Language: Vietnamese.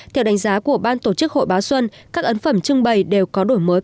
theo đánh giá của ban tổ chức hội báo xuân các ấn phẩm trưng bày đều có đổi mới